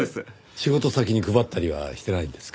仕事先に配ったりはしてないんですか？